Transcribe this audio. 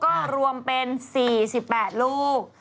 ก็รวมเป็น๔๘ลูก